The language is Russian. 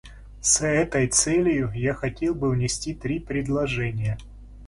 С этой целью я хотел бы внести три предложения.